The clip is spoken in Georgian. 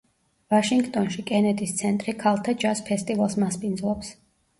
ვაშინგტონში კენედის ცენტრი ქალთა ჯაზ ფესტივალს მასპინძლობს.